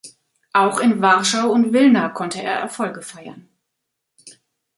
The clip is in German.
Auch in Warschau und Wilna konnte er Erfolge feiern.